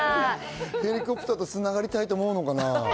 ヘリコプターと繋がりたいと思うのかな。